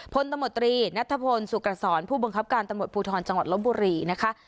พลตำรวจตรีนัทพลสุกรผู้บังคับการตำรวจภูทรจังหวัดลบบุรีนะคะ